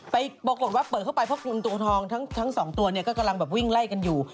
ปรากฏว่าเปิดเข้าไปเพราะเงินตัวทองทั้งสองตัวเนี่ยก็กำลังแบบวิ่งไล่กันอยู่